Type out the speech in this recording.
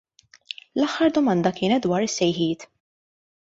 L-aħħar domanda kienet dwar is-sejħiet.